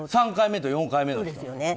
３回目と４回目。